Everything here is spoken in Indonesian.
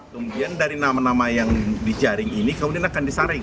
kemudian dari nama nama yang dijaring ini kemudian akan disaring